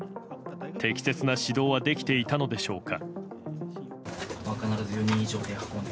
適切な指導はできていたのでしょうか。